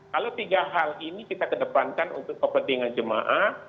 kalau tiga hal ini kita kedepankan untuk kepentingan jemaah